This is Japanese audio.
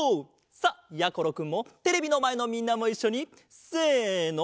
さっやころくんもテレビのまえのみんなもいっしょにせの。